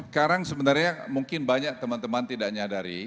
sekarang sebenarnya mungkin banyak teman teman tidak nyadari